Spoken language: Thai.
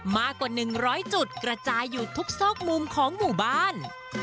มากกว่า๑๐๐จุดกระจายอยู่ทุกซอกมุมของหมู่บ้าน